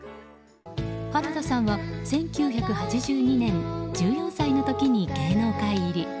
原田さんは１９８２年１４歳の時に芸能界入り。